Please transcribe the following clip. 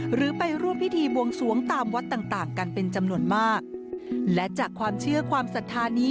หรือไปร่วมพิธีบวงสวงตามวัดต่างต่างกันเป็นจำนวนมากและจากความเชื่อความศรัทธานี้